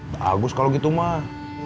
bagus kalo gitu mah